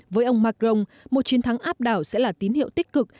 với ông macron một chiến thắng áp đảo sẽ là tín hiệu tích cực